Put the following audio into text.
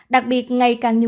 đặc biệt ngày càng nhiều